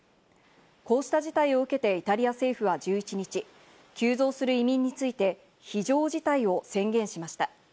こうした事態を受けてイタリア政府は１１日、急増する移民について非常事態を宣言しました。